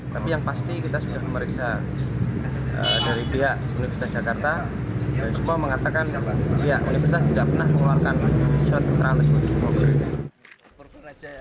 tapi yang pasti kita sudah memeriksa dari pihak universitas jakarta dan semua mengatakan pihak universitas tidak pernah mengeluarkan surat keterangan tersebut